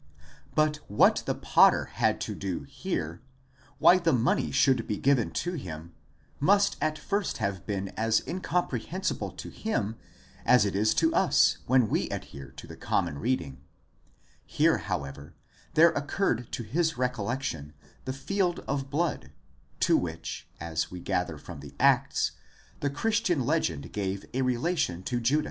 But what the potter had to do here,—why the money should be given to him, must at first have been as in comprehensible to him as it is to us when we adhere to the common reading. Here however there occurred to his recollection the field of blood, to which, as we gather from the Acts, the Christian legend gave a relation to Judas, and = Still for other conjectures see Kuin6l, in loc.